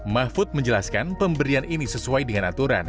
mahfud menjelaskan pemberian ini sesuai dengan aturan